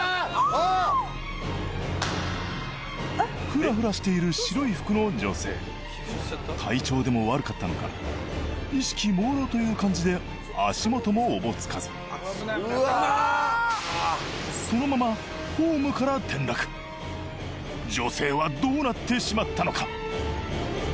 フラフラしている白い服の女性体調でも悪かったのか意識もうろうという感じで足元もおぼつかずそのままホームから転落女性はどうなってしまったのか？